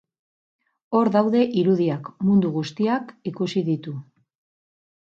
Hor daude irudiak, mundu guztiak ikusi ditu.